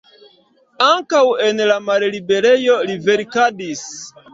Ankaŭ en la malliberejo li verkadis.